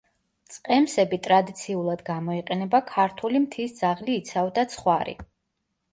მწყემსები ტრადიციულად გამოიყენება ქართული მთის ძაღლი იცავდა ცხვარი.